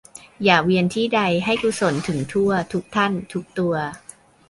อย่าเวียนที่ใด ให้กุศลถึงทั่ว ทุกท่าน ทุกตัว